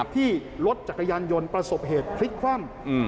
ที่รถจักรยานยนต์ประสบเหตุพลิกคว่ำ